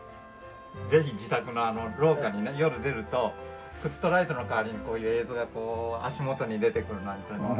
ぜひ自宅の廊下に夜出るとフットライトの代わりにこういう映像がこう足元に出てくるなんていうのは。